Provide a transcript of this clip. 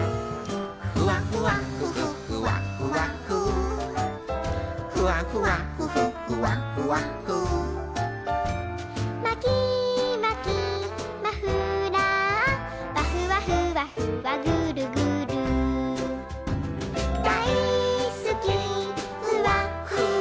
「ふわふわふふふわふわふふわふわふふふわふわふ」「まきまきマフラーわふわふわふわぐるぐる」「だいすきふわふわふわふわふふふわふわふ」